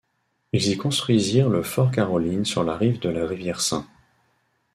Ils y construisirent le Fort Caroline sur la rive de la rivière St.